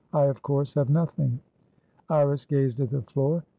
I, of course, have nothing." Iris gazed at the floor.